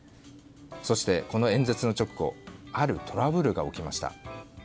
そしてこの演説の直後あるトラブルが起きました。